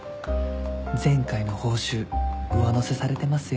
前回の報酬上乗せされてますよ。